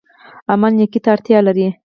عمل نیکۍ ته اړتیا لري